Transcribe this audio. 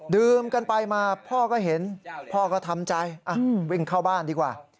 ดื่มกันไปมาพ่อก็เห็นพ่อก็ทำใจวิ่งเข้าบ้านดีกว่า